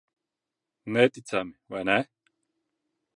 Neticami, vai ne?